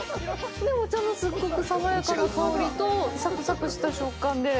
で、お茶のすっごく爽やかな香りと、さくさくした食感で。